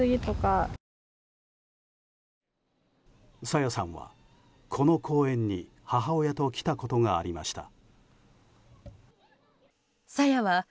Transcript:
朝芽さんは、この公園に母親と来たことがありました。